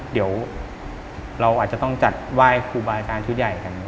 เดี๋ยวเราอาจจะต้องจัดไหว้ครูบาอาจารย์ชุดใหญ่กัน